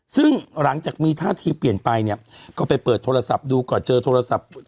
ซึ่งหลังจากมีท่าทีเปลี่ยนไปเนี่ยก็ไปเปิดโทรศัพท์ดูก่อนเจอโทรศัพท์